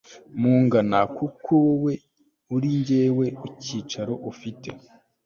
mungana kuko wowe uri jyewe ikicaro ufite